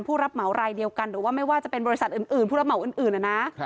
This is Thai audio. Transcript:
ผู้รับเหมารายเดียวกันหรือว่าไม่ว่าจะเป็นบริษัทอื่นผู้รับเหมาอื่นนะ